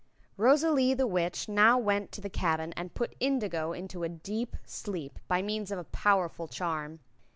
Rosalie the Witch now went to the cabin and put Indigo into a deep sleep, by means of a powerful charm.